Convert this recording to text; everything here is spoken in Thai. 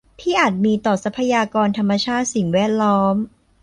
ที่อาจมีต่อทรัพยากรธรรมชาติสิ่งแวดล้อม